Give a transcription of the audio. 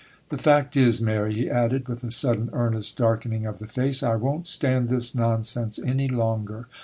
'The fact is, Mary,' he added, with a sudden earnest darkening of the face, 'I won't stand this nonsense any longer.